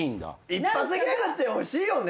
一発ギャグって欲しいよね。